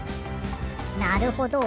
なるほど。